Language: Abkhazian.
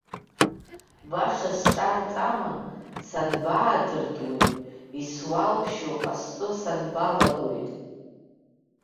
Баша сҿарҵама, санбаадыртуеи, исуалԥшьоу ҟасҵо санбалагои?